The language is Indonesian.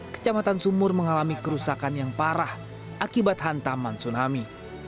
kecamatan sumur mengalami kerusakan yang parah akibat hantaman tsunami